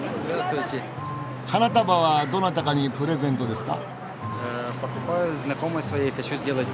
花束はどなたかにプレゼントですか？